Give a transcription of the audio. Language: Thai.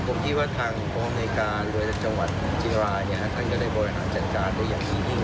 ผมคิดว่าทางกองอเมริกาจังหวัดจินราท่านก็ได้บริหารจัดการอย่างนี้